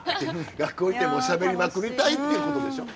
学校行ってしゃべりまくりたいっていうことでしょ。